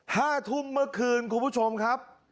ห้าทุ่มเมื่อคืนคุณผู้ชมครับ